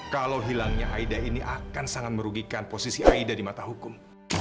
kalau hilangnya aida ini akan sangat merugikan posisi aida di mata hukum